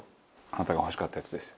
あなたが欲しかったやつです。